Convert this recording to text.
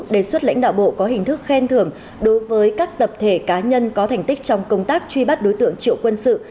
đề xuất lãnh đạo bộ có hình thức khen thưởng đối với các tập thể cá nhân có thành tích trong công tác truy bắt đối tượng triệu quân sự